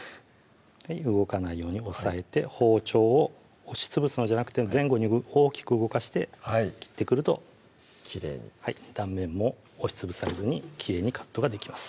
動かないように押さえて包丁を押しつぶすのじゃなくて前後に大きく動かして切ってくるときれいにはい断面も押しつぶされずにきれいにカットができます